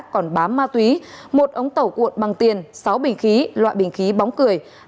còn bám ma túy một ống tẩu cuộn bằng tiền sáu bình khí loại bình khí bóng cười